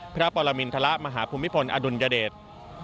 พระปรมินทรมาหาภูมิพลอดุลยเดช